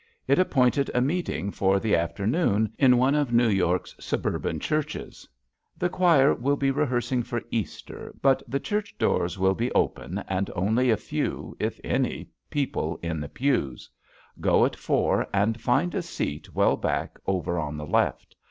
It appointed a meeting for the after noon in one of New York's suburban churches. "The choir will be rehearsing for Easter, but the church doors will be open and only a few, if any, people in the pews. Go at four and find a seat well back, over on the left.